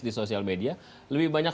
di sosial media lebih banyak